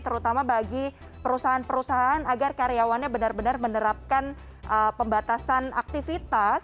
terutama bagi perusahaan perusahaan agar karyawannya benar benar menerapkan pembatasan aktivitas